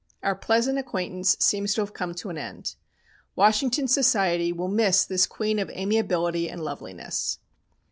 Our pleasant acquaintance seems to have come to an end. Washington society will miss this queen of amiability and loveliness.